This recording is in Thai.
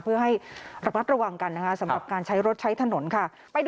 เพื่อให้ระมัดระวังกันนะคะสำหรับการใช้รถใช้ถนนค่ะ